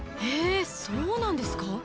へぇ、そうなんですか。